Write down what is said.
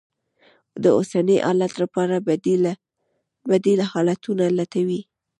د اوسني حالت لپاره بدي ل حالتونه لټوي.